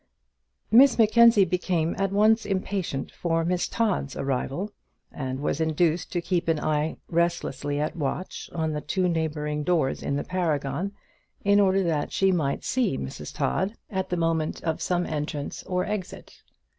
Miss Mackenzie became at once impatient for Miss Todd's arrival, and was induced to keep an eye restlessly at watch on the two neighbouring doors in the Paragon, in order that she might see Miss Todd at the moment of some entrance or exit.